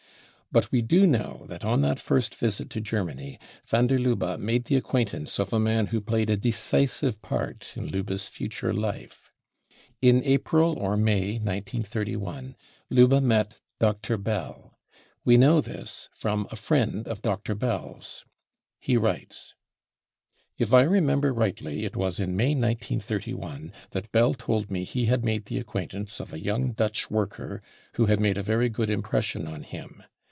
But we do know that on that first visit to Germany van der Lubbe made the acquaintance of a man who played a decisive part in Lubbe's future life. In April or May 1931, Lubbe met Dr. Bell. We know this from a friend of Dr. Bell's ; he writes :* 1 " If I remember rightly, it was in May 1931 that Bell told me he had made the acquaintance of a young * Dutch worker who had made a very good impression on him.